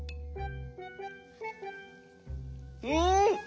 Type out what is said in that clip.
うん！